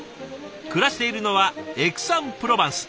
暮らしているのはエクサン・プロバンス。